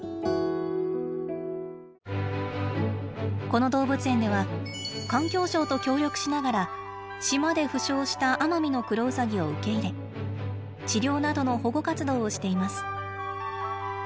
この動物園では環境省と協力しながら島で負傷したアマミノクロウサギを受け入れ治療などの保護活動をしています。